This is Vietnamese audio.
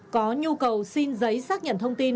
có nhu cầu xin giấy xác nhận thông tin